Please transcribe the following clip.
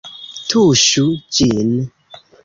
Tuŝu ĝin!